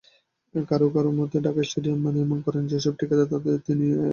কারো কারো মতে, ঢাকা স্টেডিয়াম নির্মাণ করেন যেসব ঠিকাদার, তাদের মধ্যে তিনিও ছিলেন।